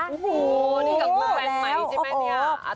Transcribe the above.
อู้หูแล้วอบอบ